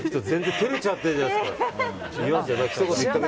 照れちゃってるじゃないですか。